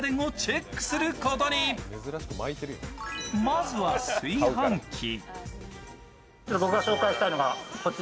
まずは炊飯器。